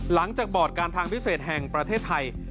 จากบอร์ดการทางพิเศษแห่งประเทศไทย